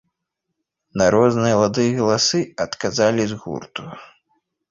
На розныя лады й галасы адказалі з гурту.